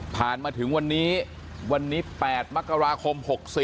มาถึงวันนี้วันนี้๘มกราคม๖๔